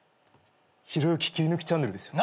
ひろゆき切り抜きチャンネルですよね？